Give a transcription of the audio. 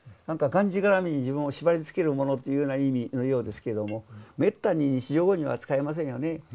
なんかがんじがらめに自分を縛りつけるものというような意味のようですけどもめったに日常語には使いませんよね。